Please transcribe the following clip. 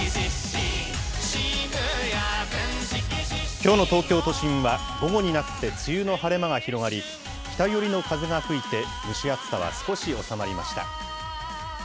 きょうの東京都心は、午後になって梅雨の晴れ間が広がり、北寄りの風が吹いて、蒸し暑さは少し収まりました。